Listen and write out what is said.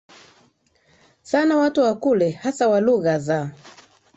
sana Watu wa kule hasa wa lugha za